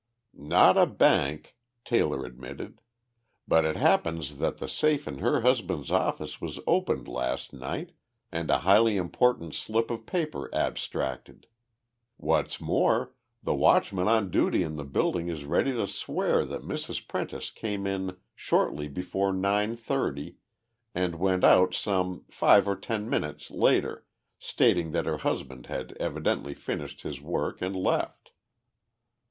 "Not a bank," Taylor admitted, "but it happens that the safe in her husband's office was opened last night and a highly important slip of paper abstracted. What's more, the watchman on duty in the building is ready to swear that Mrs. Prentice came in shortly before nine thirty, and went out some five or ten minutes later, stating that her husband had evidently finished his work and left."